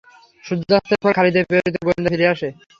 সূর্যাস্তের পর খালিদের প্রেরিত গোয়েন্দা ফিরে আসে।